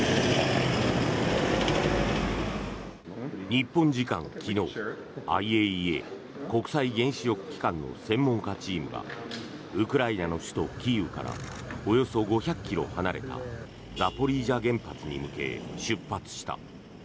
日本時間昨日ＩＡＥＡ・国際原子力機関の専門家チームがウクライナの首都キーウからおよそ５００ｋｍ離れたザポリージャ原発に向け出発した。